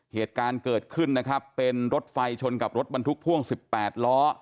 เหตุการณ์เกิดขึ้นนะครับเป็นรถไฟชนกับรถบรรทุกพ่วง๑๘ล้อ